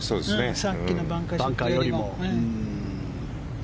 さっきのバンカーショットよりも。